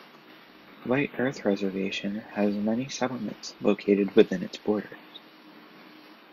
White Earth Reservation has many settlements located within its borders.